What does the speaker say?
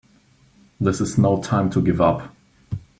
This is no time to give up!